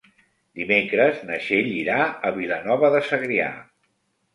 Dimecres na Txell irà a Vilanova de Segrià.